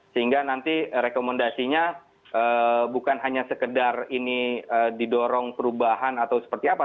sehingga nanti rekomendasinya bukan hanya sekedar ini didorong perubahan atau seperti apa